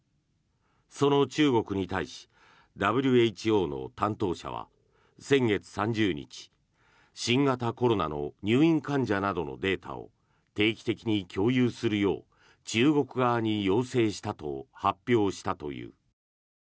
その中国に対しＷＨＯの担当者は先月３０日、新型コロナの入院患者などのデータを定期的に共有するよう中国側に要請したと発表したという。